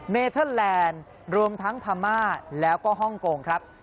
เทอร์แลนด์รวมทั้งพม่าแล้วก็ฮ่องกงครับ